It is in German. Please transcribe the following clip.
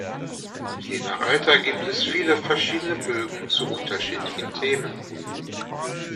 Je nach Alter gibt es viele verschiedene Bögen zu unterschiedlichen Themen.